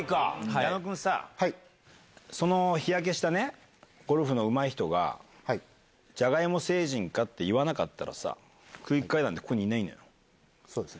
矢野君さ、その日焼けしたね、ゴルフのうまい人が、じゃがいも星人かって言わなかったらさ、空気階段ってここにいなそうですね。